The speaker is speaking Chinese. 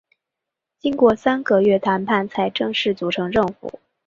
经过三个月谈判才正式组成政府。